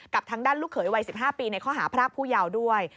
กับทางด้านลูกเขยวัย๑๕ปีในข้อหาพรากผู้เยาว์ด้วย